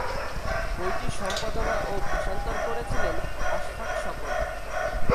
বইটি সম্পাদনা ও ভাষান্তর করেছিলেন আশফাক স্বপন।